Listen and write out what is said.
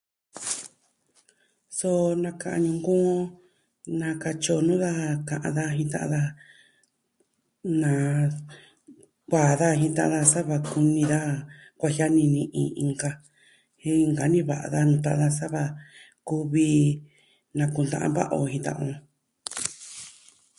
Suu nakani nkoo nakatyi o nuu daja ka'an daja jin ta'an daja naa daa da ji ta'an daa sava kumi daa kuajiani ni iin inka jen inka nuu va'a da ntaa daa sava kuvi nakunta'a va'a o jin ta'an o.